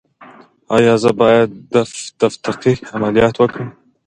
ایا زه باید د فتق عملیات وکړم؟